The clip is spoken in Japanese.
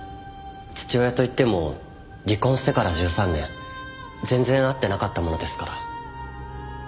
父親といっても離婚してから１３年全然会ってなかったものですから。